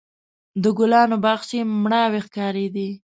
د ګلانو باغچې مړاوې ښکارېدې.